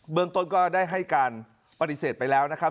เมืองต้นก็ได้ให้การปฏิเสธไปแล้วนะครับ